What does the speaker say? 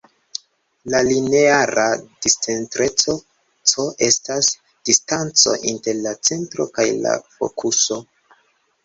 La lineara discentreco "c" estas distanco inter la centro kaj la fokuso.